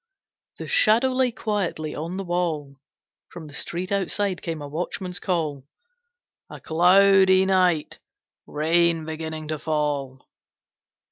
The Shadow lay quietly on the wall. From the street outside came a watchman's call "A cloudy night. Rain beginning to fall."